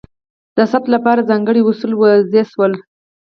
د ثبت لپاره ځانګړي اصول وضع شول.